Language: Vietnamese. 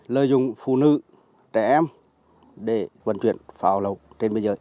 lợi dụng phụ nữ trẻ em để vận chuyển pháo lậu trên biên giới